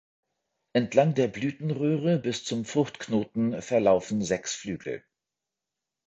Entlang der Blütenröhre bis zum Fruchtknoten verlaufen sechs Flügel.